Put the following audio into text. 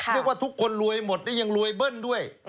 เรียกว่าทุกคนรวยหมดยังรวยเบิ้ลด้วย